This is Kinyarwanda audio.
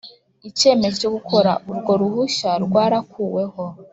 icyemezo cyo gukora, urwo ruhushya rwarakuweho,